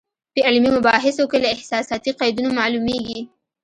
په علمي مباحثو کې له احساساتي قیدونو معلومېږي.